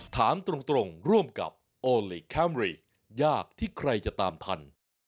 ถามตรงร่วมกับโอลี่คัมรี่ยากที่ใครจะตามทัน